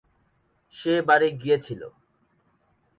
সে বাড়ি গিয়েছিল।